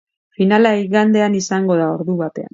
Finala igandean izango da, ordu batean.